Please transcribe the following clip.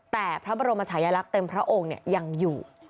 แต่พระบรมชายลักษณ์เต็มพระองค์ยังอยู่